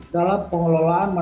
dalam pengelolaan manajemen